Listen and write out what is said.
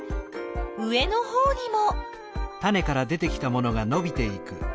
上のほうにも。